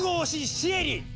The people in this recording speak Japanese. シエリ！